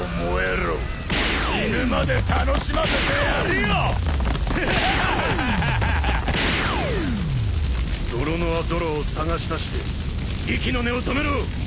ロロノア・ゾロを捜し出して息の根を止めろ！